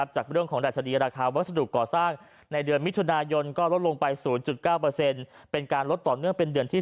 จากเรื่องของดัชนีราคาวัสดุก่อสร้างในเดือนมิถุนายนก็ลดลงไป๐๙เป็นการลดต่อเนื่องเป็นเดือนที่๓